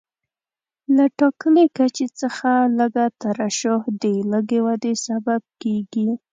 له ټاکلي کچې څخه لږه ترشح د لږې ودې سبب کېږي.